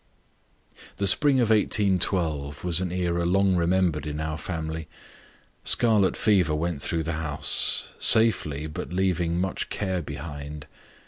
The spring of 1812 was an era long remembered in our family. Scarlet fever went through the house safely, but leaving much care behind.